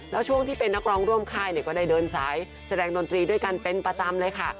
แล้วช่วงที่เป็นนักร้องร่วมค่ายก็ได้เดินสายแสดงดนตรีด้วยกันเป็นประจำเลยค่ะ